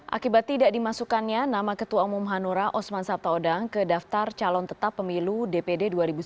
akibat tidak dimasukkannya nama ketua umum hanura osman sabtaodang ke daftar calon tetap pemilu dpd dua ribu sembilan belas